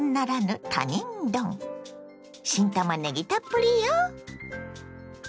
新たまねぎたっぷりよ。